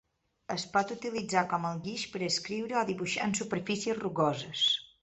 Es pot utilitzar com el guix per escriure o dibuixar en superfícies rugoses.